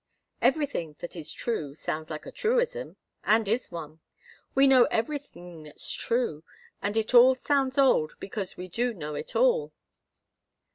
"Everything that is true sounds like a truism and is one. We know everything that's true, and it all sounds old because we do know it all."